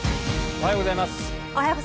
おはようございます。